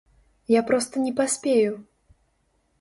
Я проста не паспею.